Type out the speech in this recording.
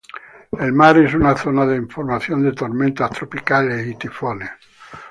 El mar es una zona de formación de tormentas tropicales y tifones.